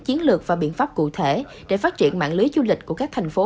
chiến lược và biện pháp cụ thể để phát triển mạng lưới du lịch của các thành phố